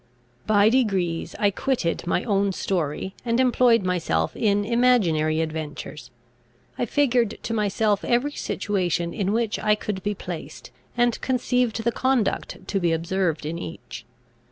By degrees I quitted my own story, and employed myself in imaginary adventures. I figured to myself every situation in which I could be placed, and conceived the conduct to be observed in each.